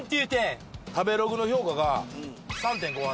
食べログの評価が３．５８。